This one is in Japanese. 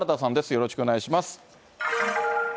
よろしくお願いします。